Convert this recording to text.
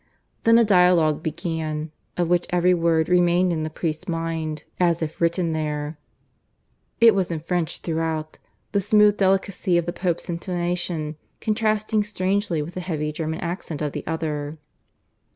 Then a dialogue began, of which every word remained in the priest's mind as if written there. It was in French throughout, the smooth delicacy of the Pope's intonation contrasting strangely with the heavy German accent of the other.